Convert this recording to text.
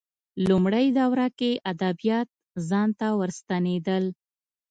لومړۍ دوره کې ادبیات ځان ته ورستنېدل